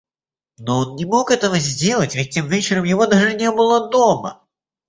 Но он не мог этого сделать, ведь тем вечером его даже не было дома!